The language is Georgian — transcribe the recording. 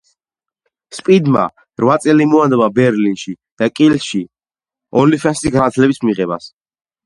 შტორმმა რვა წელი მოანდომა ბერლინში და კილში განათლების მიღებას.